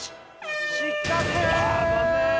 失格！